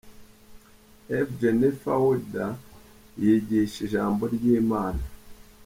Ev Jennifer Wilde yigisha ijambo ry'Imana.